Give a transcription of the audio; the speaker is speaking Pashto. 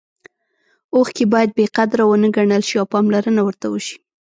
اوښکې باید بې قدره ونه ګڼل شي او پاملرنه ورته وشي.